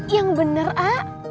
yang bener a